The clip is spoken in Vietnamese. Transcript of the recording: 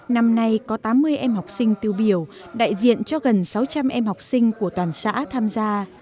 năm nay có tám mươi em học sinh tiêu biểu đại diện cho gần sáu trăm linh em học sinh của toàn xã tham gia